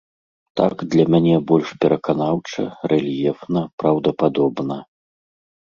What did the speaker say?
Так для мяне больш пераканаўча, рэльефна, праўдападобна.